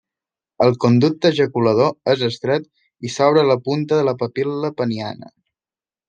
El conducte ejaculador és estret i s'obre a la punta de la papil·la peniana.